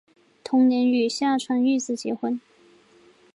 同年与下川玉子结婚。